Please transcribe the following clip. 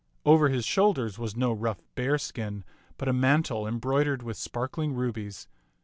Over his shoulders was no rough bearskin, but a mantle embroidered with spar kling rubies.